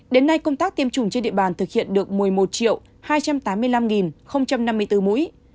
đến nay công tác tiêm chủng trên địa bàn thực hiện được một mươi một hai trăm tám mươi năm năm mươi bốn mũi